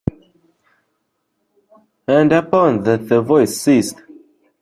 And upon that the voice ceased.